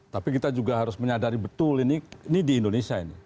tapi kita juga harus menyadari betul ini di indonesia ini